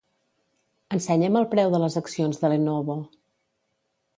Ensenya'm el preu de les accions de Lenovo.